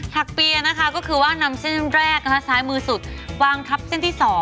ถักเปลี่ยนนะคะก็คือนำเส้นแรกซ้ายมือสุดวางทับเส้นที่๒